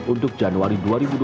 untuk januari dua ribu dua puluh